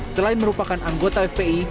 selain merupakan anggota fpi